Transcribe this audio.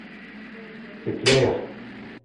C’est clair.